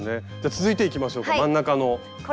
続いていきましょうか真ん中の。